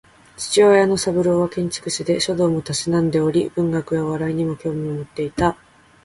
父親の三郎は建築士で、書道も嗜んでおり文学やお笑いにも興味を持っていた